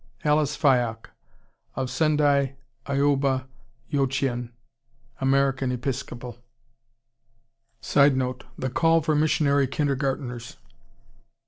(Alice Fyock of Sendai Aoba Yochien, American Episcopal.) [Sidenote: The call for missionary kindergartners.